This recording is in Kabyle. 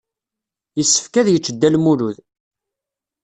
Yessefk ad yečč Dda Lmulud.